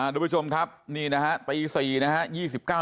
ทุกผู้ชมครับนี่นะฮะตี๔นะฮะ